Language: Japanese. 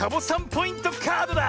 ポイントカードだ！